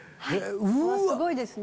すごいですね。